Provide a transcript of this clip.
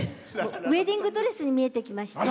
ウエディングドレスに見えてきました。